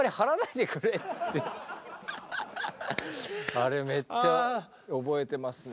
あれめっちゃ覚えてますね。